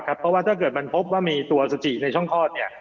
เพราะว่าถ้าเกิดมันพบว่ามีตัวสจิในช่องคลอดเนี่ย